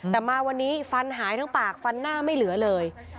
แต่มาวันนี้ฟันหายทั้งปากฟันหน้าไม่เหลือเลย